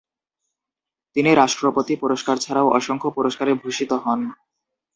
তিনি রাষ্ট্রপতি পুরস্কার ছাড়াও অসংখ্য পুরষ্কারে ভূষিত হন।